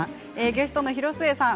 ゲストは広瀬さん